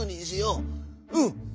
うん」。